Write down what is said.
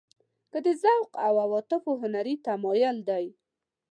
که د ذوق او عواطفو هنري تمایل دی.